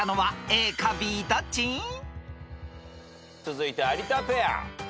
続いて有田ペア。